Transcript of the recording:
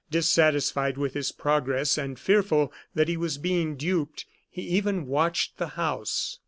Dissatisfied with his progress, and fearful that he was being duped, he even watched the house.